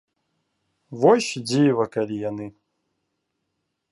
Вось дзіва, калі яны.